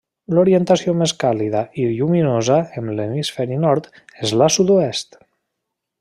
L'orientació més càlida i lluminosa en l'hemisferi nord és la sud-oest.